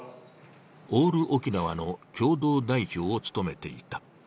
オール沖縄の共同代表を務めていた。